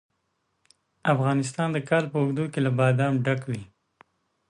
افغانستان د کال په اوږدو کې له بادام ډک وي.